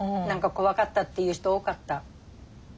何か怖かったっていう人多かった。